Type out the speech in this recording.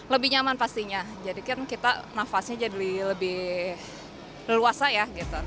lebih nyaman pastinya jadikan kita nafasnya jadi lebih leluasa